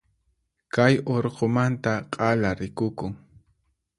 Kay urqumanta k'ala rikukun.